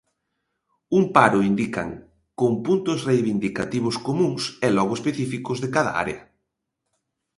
Un paro, indican, con puntos reivindicativos comúns e logo específicos de cada área.